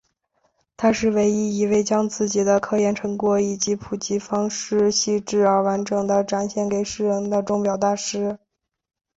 他是唯一一位将自己的科研成果以普及方式细致而完整地展现给世人的钟表大师。